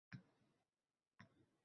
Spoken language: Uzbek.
Lekin quruq savlatdan foyda yo‘q.